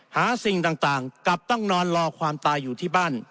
หาสิ่งต่างกลับต้องนอนรอความตายอยู่ที่บ้าน